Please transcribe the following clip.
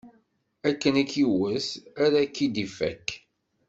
Akken i k-iwwet, ara k-id-ifakk.